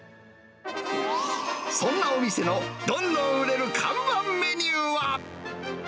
そんなお店のどんどん売れる看板メニューは。